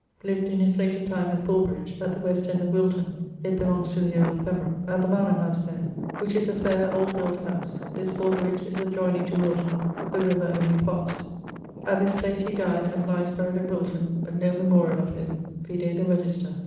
lived in his later time at Bulbridge (at the west end of Wilton it belongs to the earle of Pembroke) at the mannor house there, which is a faire old built house. This Bulbridge is adjoyning to Wilton; the river only parts it. At this place he dyed and lyes ☞ buryed at Wilton, but no memoriall of him vide the Register.